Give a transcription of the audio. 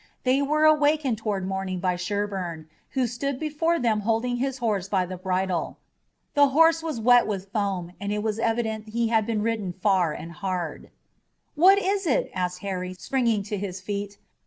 They were awakened toward morning by Sherburne, who stood before them holding his horse by the bridle. The horse was wet with foam, and it was evident that he had been ridden far and hard. "What is it?" asked Harry, springing to his feet.